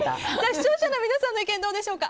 視聴者の皆さんの意見どうでしょうか。